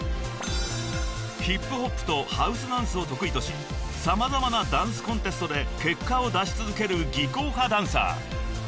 ［ヒップホップとハウスダンスを得意とし様々なダンスコンテストで結果を出し続ける技巧派ダンサー］